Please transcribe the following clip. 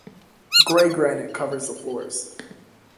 Grey granite covers the floor.